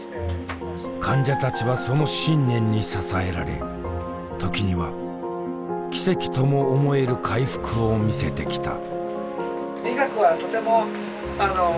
患者たちはその信念に支えられ時には奇跡とも思える回復を見せてきた。